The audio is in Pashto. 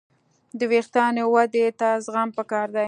د وېښتیانو ودې ته زغم پکار دی.